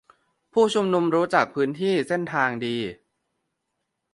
-ผู้ชุมนุมรู้จักพื้นที่-เส้นทางดี